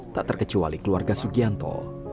tak terkecuali keluarga sugianto